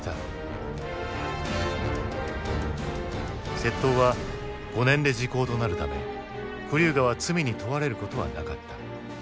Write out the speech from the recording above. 窃盗は５年で時効となるためクリューガは罪に問われることはなかった。